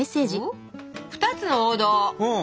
「２つの王道」。